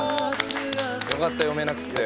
よかった読めなくて。